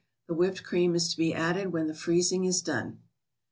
The whipped cream is to be added when the freezing is done.